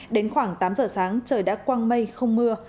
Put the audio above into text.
đến khoảng tám h sáng trời đã quăng mây không mưa